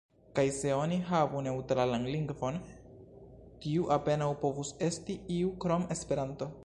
Kaj se oni havu neŭtralan lingvon, tiu apenaŭ povus esti iu krom Esperanto!